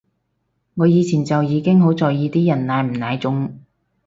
我以前就已經好在意啲人奶唔奶中